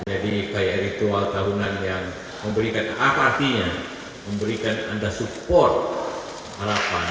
jadi kayak ritual tahunan yang memberikan apatinya memberikan anda support harapan